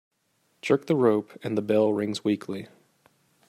Jerk the rope and the bell rings weakly.